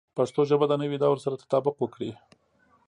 پښتو ژبه د نوي دور سره تطابق وکړي.